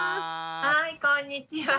はいこんにちは。